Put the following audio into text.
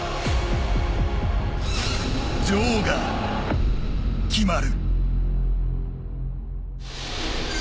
女王が決まる。